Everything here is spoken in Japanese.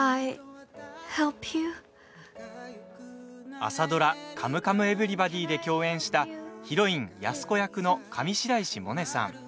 朝ドラ「カムカムエヴリバディ」で共演したヒロイン・安子役の上白石萌音さん。